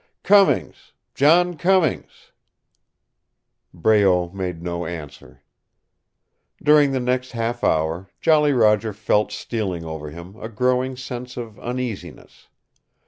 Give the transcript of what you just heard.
"Cummings John Cummings." Breault made no answer. During the next half hour Jolly Roger felt stealing over him a growing sense of uneasiness.